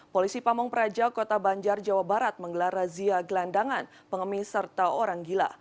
polisi pamung praja kota banjar jawa barat menggelar razia gelandangan pengemis serta orang gila